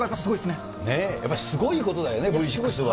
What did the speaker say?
ねえ、やっぱりすごいことだよね、Ｖ６は。